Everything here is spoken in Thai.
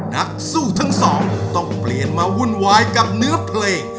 นักสู้ทั้งสองต้องเปลี่ยนมาวุ่นวายกับเนื้อเพลง